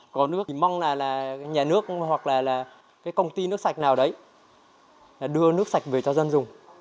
còn nước thì mong là nhà nước hoặc là cái công ty nước sạch nào đấy đưa nước sạch về cho dân dùng